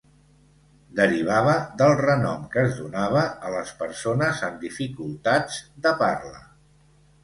Derivava del renom que es donava a les persones amb dificultats de parla.